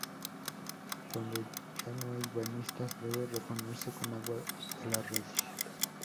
Cuando ya no hay bañistas debe reponerse con agua de la red.